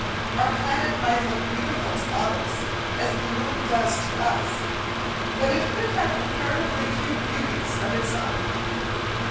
our planet might look beautiful to others, as the moon does to us, but it could have comparatively few beauties of its own.